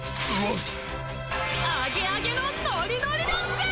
アゲアゲのノリノリだぜぃ！！